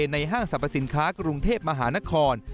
ห้างสรรพสินค้ากรุงเทพมหานคร